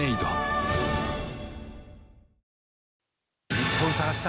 ニッポン探し隊！